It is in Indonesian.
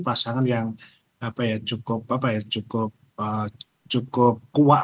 pasangan yang cukup kuat